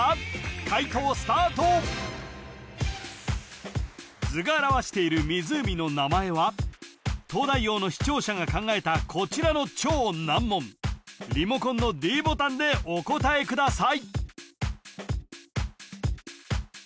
解答スタート図が表している「東大王」の視聴者が考えたこちらの超難問リモコンのｄボタンでお答えください